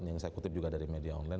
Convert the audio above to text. yang saya kutip juga dari media online